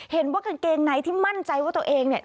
เห็นว่ากางเกงในที่มั่นใจว่าตัวเองเนี่ย